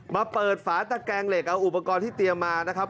มาเปิดฝาตะแกงเหล็กเอาอุปกรณ์ที่เตรียมมานะครับ